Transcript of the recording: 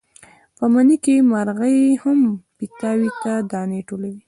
په مني کې مرغۍ هم پیتاوي ته دانې ټولوي.